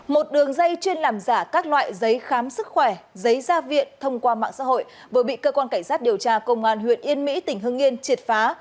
một đường dây chuyên làm giả các loại giấy khám sức khỏe giấy gia viện thông qua mạng xã hội vừa bị cơ quan cảnh sát điều tra công an huyện yên mỹ tỉnh hương yên triệt phá